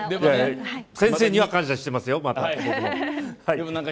先生には感謝してますよ、僕も。